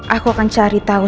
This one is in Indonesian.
aku akan cari tau